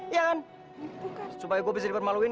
iya kan supaya gue bisa dipermaluin